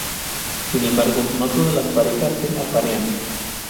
Sin embargo, no todas las parejas se aparean.